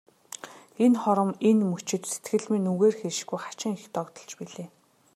Энэ хором, энэ мөчид сэтгэл минь үгээр хэлшгүй хачин их догдолж билээ.